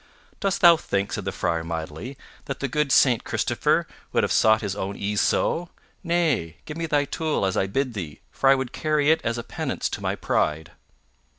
"Dost thou think," said the Friar mildly, "that the good Saint Christopher would ha' sought his own ease so? Nay, give me thy tool as I bid thee, for I would carry it as a penance to my pride."